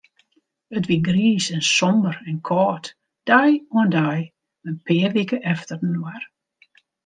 It wie griis en somber en kâld, dei oan dei, in pear wike efterinoar.